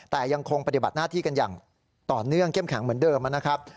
แต่ยังคงปฏิบัติหน้าที่กันอย่างต่อเนื่องเข้มแข็งเหมือนเดิมนะครับ